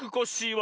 は。